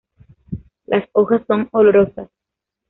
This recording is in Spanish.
Las hojas son olorosas.